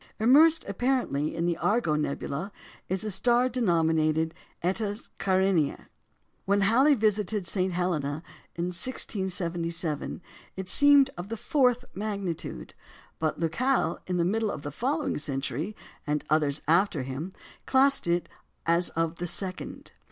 Immersed apparently in the Argo nebula is a star denominated Eta Carinæ. When Halley visited St. Helena in 1677, it seemed of the fourth magnitude; but Lacaille in the middle of the following century, and others after him, classed it as of the second.